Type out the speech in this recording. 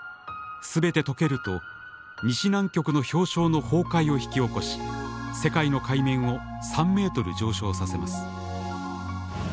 すべてとけると西南極の氷床の崩壊を引き起こし世界の海面を３ｍ上昇させます。